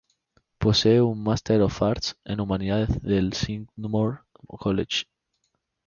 Posee un Master of Arts en humanidades del Skidmore College.